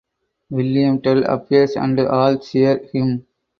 William Tell appears and all cheer him.